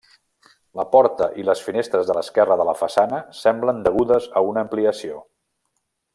La porta i les finestres de l'esquerra de la façana semblen degudes a una ampliació.